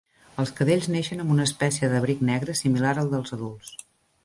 Els cadells neixen amb una espècie d'abric negre similar al dels adults.